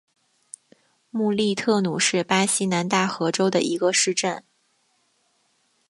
穆利特努是巴西南大河州的一个市镇。